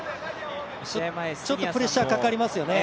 ちょっとプレッシャーかかりますよね。